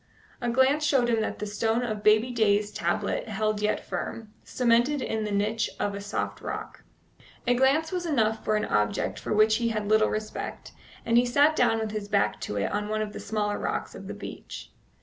A glance showed him that the stone of baby Day's tablet yet held firm, cemented in the niche of the soft rock. A glance was enough for an object for which he had little respect, and he sat down with his back to it on one of the smaller rocks of the beach.